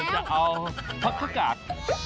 จะเอาผักกระกาด